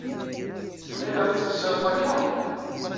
Fell-i i la tettqessiṛeḍ akka?